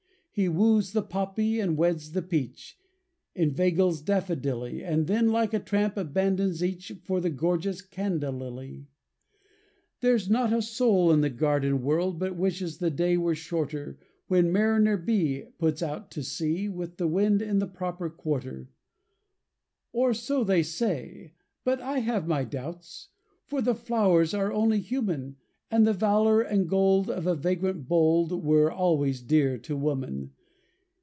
He woos the Poppy and weds the Peach, Inveigles Daffodilly, And then like a tramp abandons each For the gorgeous Canada Lily. There's not a soul in the garden world But wishes the day were shorter, When Mariner B. puts out to sea With the wind in the proper quarter. Or, so they say! But I have my doubts; For the flowers are only human, And the valor and gold of a vagrant bold Were always dear to woman.